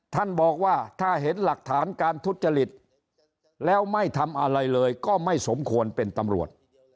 ท่านบอกว่าถ้าเห็นหลักฐานการทุจริตแล้วไม่ทำอะไรเลยก็ไม่สมควรเป็นตำรวจ